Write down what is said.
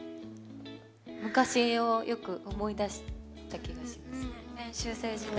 昔をよく思い出した気がします。